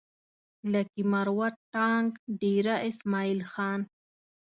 لکي مروت ټانک ډېره اسماعيل خان